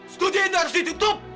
studio ini harus ditutup